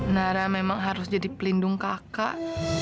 nara memang harus jadi pelindung kakak